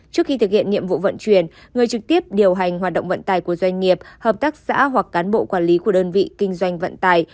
trước khi thực hiện nhiệm vụ vận chuyển người trực tiếp điều hành hoạt động vận tài của doanh nghiệp hợp tác xã hoặc cán bộ quản lý của đơn vị kinh doanh vận tài